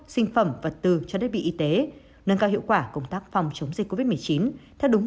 sinh phẩm vật tư cho thiết bị y tế nâng cao hiệu quả công tác phòng chống dịch covid một mươi chín theo đúng